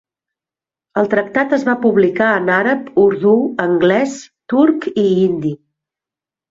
El tractat es va publicar en àrab, urdú, anglès, turc i hindi.